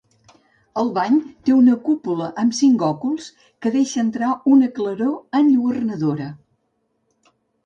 El bany té una cúpula amb cinc òculs que deixa entrar una claror enlluernadora.